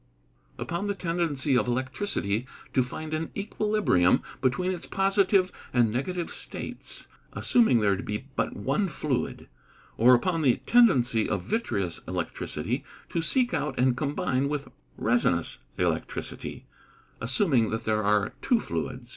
_ Upon the tendency of electricity to find an equilibrium between its positive and negative states (assuming there to be but one fluid); or upon the tendency of vitreous electricity to seek out and combine with resinous electricity (assuming that there are two fluids).